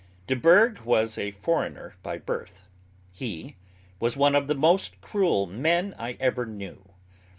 Deburgh was a foreigner by birth. He was one of the most cruel men I ever knew.